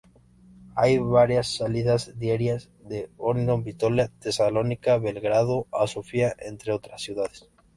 Hay varias salidas diarias de Ohrid, Bitola, Tesalónica, Belgrado o Sofía entre otras ciudades.